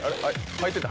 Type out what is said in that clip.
はいてた？